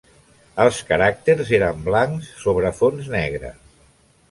Els caràcters eren blancs sobre fons negre.